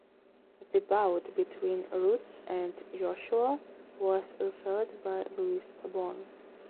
The bout between Ruiz and Joshua was refereed by Luis Pabon.